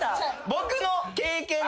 僕の経験上。